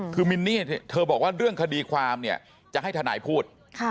คือมินนี่เธอบอกว่าเรื่องคดีความเนี่ยจะให้ทนายพูด